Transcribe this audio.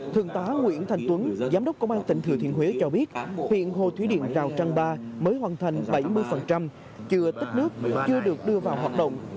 thượng tá nguyễn thành tuấn giám đốc công an tỉnh thừa thiên huế cho biết hiện hồ thủy điện rào trăng ba mới hoàn thành bảy mươi chưa tích nước chưa được đưa vào hoạt động